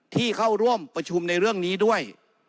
ที่เข้าร่วมประชุมในเรื่องนี้ด้วย